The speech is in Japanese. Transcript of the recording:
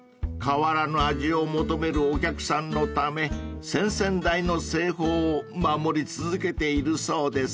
［変わらぬ味を求めるお客さんのため先々代の製法を守り続けているそうです］